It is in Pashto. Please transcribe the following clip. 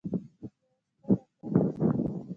یوه شپه ډاکټر حشمت